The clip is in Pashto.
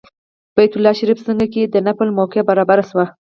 بیت الله شریف څنګ کې د نفل موقع برابره شوه.